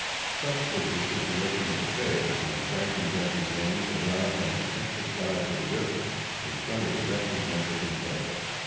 Such was the situation of affairs when Frank and Jesse James arrived on the Texas side of the river in front of the wretched Mexican pueblo.